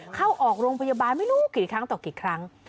เข้าออกโรงพยาบาลไม่รู้กี่ครั้งต่อกี่ครั้ง